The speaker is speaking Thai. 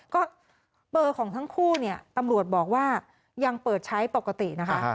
ก็เบอร์ของทั้งคู่เนี่ยตำรวจบอกว่ายังเปิดใช้ปกตินะคะ